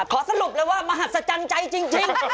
สรุปเลยว่ามหัศจรรย์ใจจริง